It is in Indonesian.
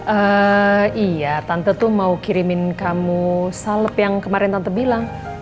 eh iya tante tuh mau kirimin kamu salep yang kemarin tante bilang